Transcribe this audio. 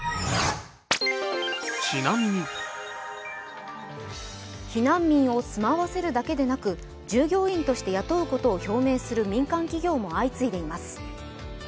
避難民を住まわせるだけでなく、従業員として雇うことを表明する民間企業も相次いでいます。